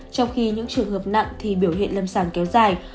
trong khi những trường hợp nặng thì biểu hiện lâm sàng kéo dài